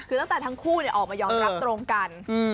คือตั้งแต่ทั้งคู่ออกมายอมรับตรงกัน